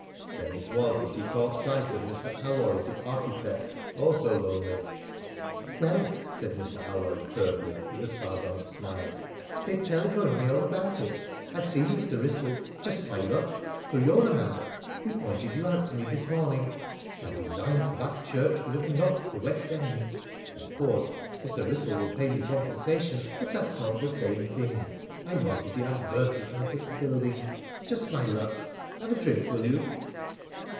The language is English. Then it was that he caught sight of Mr. Alloyd the architect, also lonely. "Well," said Mr. Alloyd curtly, with a sardonic smile, "they've telephoned me all about it. I've seen Mr. Wrissell. Just my luck! So you're the man! He pointed you out to me this morning. My design for that church would have knocked the West End! Of course Mr. Wrissell will pay me compensation, but that's not the same thing. I wanted the advertisement of the building.... Just my luck! Have a drink, will you?"